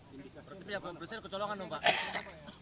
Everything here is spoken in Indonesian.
berarti pihak kepolisian kecolokan dong pak